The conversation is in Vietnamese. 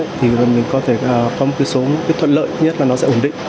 có một số thuận lợi nhất là nó sẽ ổn định